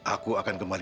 aku akan kembali